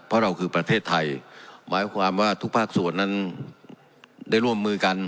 เพราะเราคือประเทศไทยหมายความว่าทุกภาคส่วนนั้นได้ร่วมมือกัน